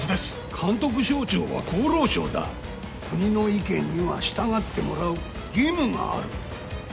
監督省庁は厚労省だ国の意見には従ってもらう義務がある！